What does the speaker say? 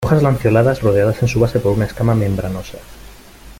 Hojas lanceoladas, rodeadas en su base por una escama membranosa.